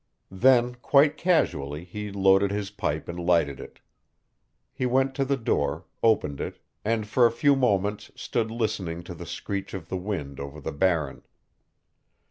Then, quite casually, he loaded his pipe and lighted it. He went to the door, opened it, and for a few moments stood listening to the screech of the wind over the Barren.